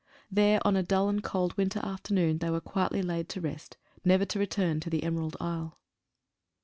There on a dull and cold winter afternoon they were quietly laid to rest — never to return to the Emerald Isle.